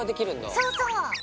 そうそう！